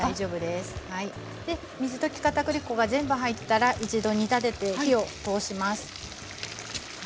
で水溶き片栗粉が全部入ったら一度煮立てて火を通します。